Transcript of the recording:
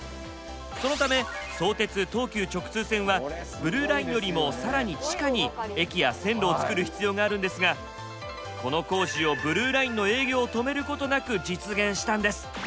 そのため相鉄・東急直通線はブルーラインよりも更に地下に駅や線路をつくる必要があるんですがこの工事をブルーラインの営業を止めることなく実現したんです。